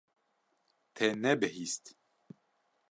Te nebihîst?